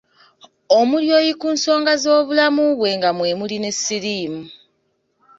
Omulyoyi ku nsonga z’obulamu bwe nga mwe muli ne siriimu.